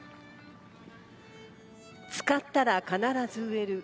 使ったら必ず植える。